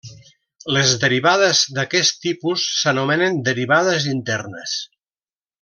Les derivades d'aquest tipus s'anomenen derivades internes.